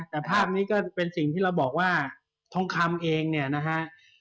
แต่ภาพนี้ก็เป็นสิ่งที่เราบอกว่าทองคำเองเนี่ยนะฮะ